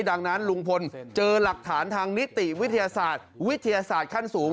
ดังนั้นลุงพลเจอหลักฐานทางนิติวิทยาศาสตร์วิทยาศาสตร์ขั้นสูง